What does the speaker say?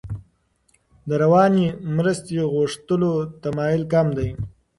د رواني مرستې غوښتلو تمایل کم دی.